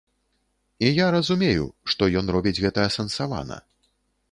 І я разумею, што ён робіць гэта асэнсавана.